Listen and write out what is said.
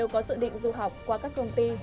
có dự định du học qua các công ty